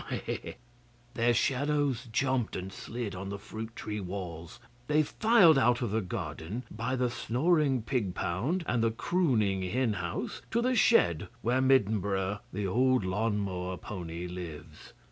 Their shadows jumped and slid on the fruit tree walls. They filed out of the garden by the snoring pig pound and the crooning hen house, to the shed where Middenboro the old lawn mower pony lives.